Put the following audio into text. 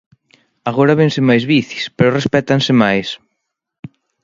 Agora vense máis bicis, pero respéctanse máis?